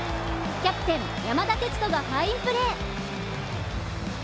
キャプテン山田哲人がファインプレー。